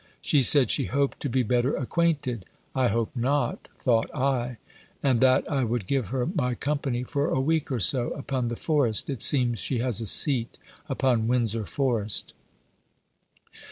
She said, she hoped to be better acquainted ("I hope not," thought I) and that I would give her my company, for a week or so, upon the Forest: it seems she has a seat upon Windsor Forest.